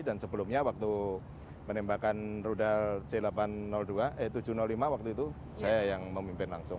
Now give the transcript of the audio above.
dan sebelumnya waktu penembakan rudal c delapan ratus dua eh tujuh ratus lima waktu itu saya yang memimpin langsung